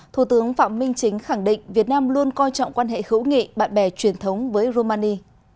thủ tướng phạm minh chính khẳng định việt nam luôn coi trọng quan hệ hữu nghị bạn bè truyền thống với romani